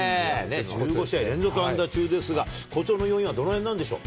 １５試合連続安打中ですが、好調の要因はどのへんなんでしょう。